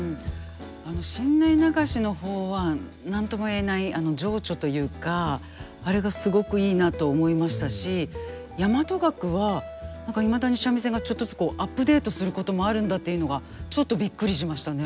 あの新内流しの方は何とも言えない情緒というかあれがすごくいいなと思いましたし大和楽はいまだに三味線がちょっとずつアップデートすることもあるんだというのがちょっとびっくりしましたね。